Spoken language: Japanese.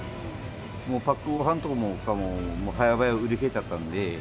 もうパックごはんとかもはやばや売り切れちゃったんで。